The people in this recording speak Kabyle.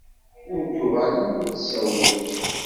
Ur d-uɣalent ur d-sawlent.